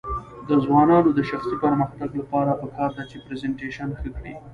د ځوانانو د شخصي پرمختګ لپاره پکار ده چې پریزنټیشن ښه کړي.